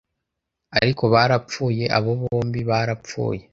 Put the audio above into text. ariko barapfuye; abo bombi barapfuye